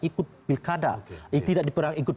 ikut pilkada tidak diperang ikut